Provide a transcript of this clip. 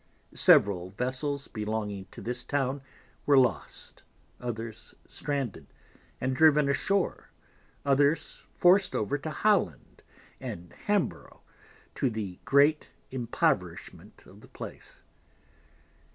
Several Vessels belonging to this Town were lost, others stranded, and driven ashoar, others forced over to Holland and Hamborough, to the great Impoverishment of the Place.